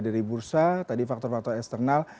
dari bursa tadi faktor faktor eksternal